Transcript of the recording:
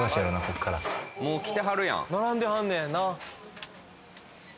こっからもう来てはるやん並んではんねんな